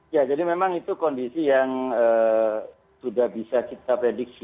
ya jadi memang itu kondisi yang sudah bisa kita prediksi